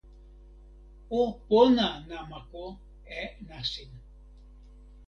o pona namako e nasin.